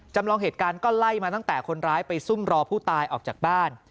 จำลองเหตุการณ์ก็ไล่มาตั้งแต่คนร้ายไปซุ่มรอผู้ตายออกจากบ้าน